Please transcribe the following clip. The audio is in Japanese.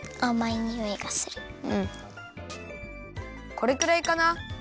これくらいかな？